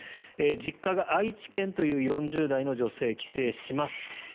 実家が愛知県という４０代の女性帰省します。